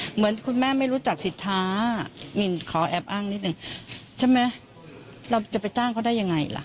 เหมือนคุณแม่ไม่รู้จักสิทธานินขอแอบอ้างนิดนึงใช่ไหมเราจะไปจ้างเขาได้ยังไงล่ะ